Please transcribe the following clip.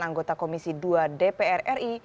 anggota komisi dua dpr ri